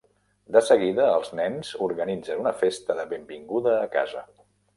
De seguida, els nens organitzen una festa de "benvinguda a casa".